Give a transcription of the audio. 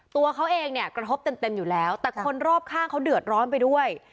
ตัวเขาเองเนี่ยกระทบเต็มอยู่แล้วแต่คนรอบข้างเขาเดือดร้อนไปด้วย